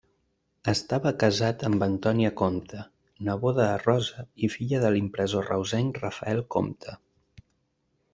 Estava casat amb Antònia Compte, neboda de Rosa i filla de l'impressor reusenc Rafael Compte.